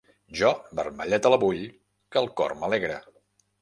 Jo vermelleta la vull, que el cor m’alegra.